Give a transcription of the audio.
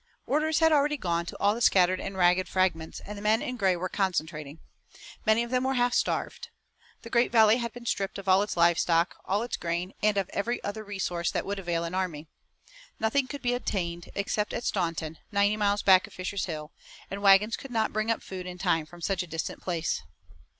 Orders had already gone to all the scattered and ragged fragments, and the men in gray were concentrating. Many of them were half starved. The great valley had been stripped of all its live stock, all its grain and of every other resource that would avail an army. Nothing could be obtained, except at Staunton, ninety miles back of Fisher's Hill, and wagons could not bring up food in time from such a distant place.